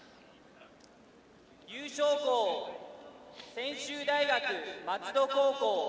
優勝校、専修大学松戸高校。